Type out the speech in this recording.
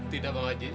tidak bang haji